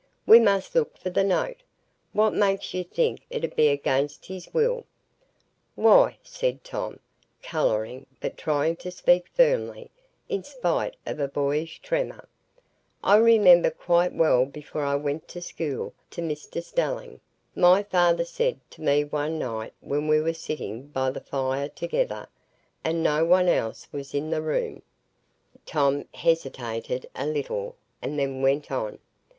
We must look for the note. What makes you think it 'ud be against his will?" "Why," said Tom, colouring, but trying to speak firmly, in spite of a boyish tremor, "I remember quite well, before I went to school to Mr Stelling, my father said to me one night, when we were sitting by the fire together, and no one else was in the room——" Tom hesitated a little, and then went on.